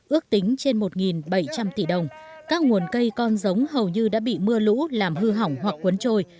ước tính trên một bảy trăm linh tỷ đồng các nguồn cây con giống hầu như đã bị mưa lũ làm hư hỏng hoặc quấn trôi